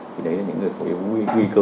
thì đấy là những người có nguy cơ